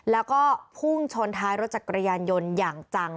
แล้วก็พุ่งชนท้ายรถจักรยานยนต์อย่างจัง